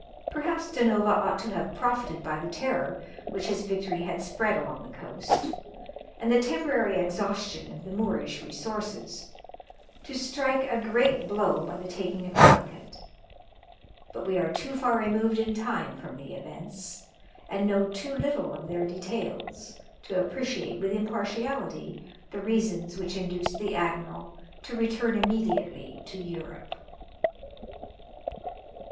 Perhaps Da Nova ought to have profited by the terror which his victory had spread along the coast, and the temporary exhaustion of the Moorish resources, to strike a great blow by the taking of Calicut. But we are too far removed in time from the events, and know too little of their details, to appreciate with impartiality the reasons which induced the admiral to return immediately to Europe.